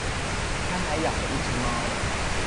她還養了一隻貓